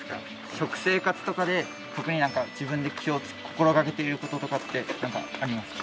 食生活とかで特に何か自分で気を心がけていることとかって何かありますか？